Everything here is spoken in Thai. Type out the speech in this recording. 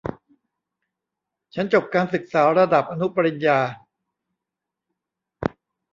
ฉันจบการศึกษาระดับอนุปริญญา